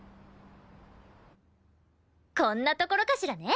こんなところかしらね！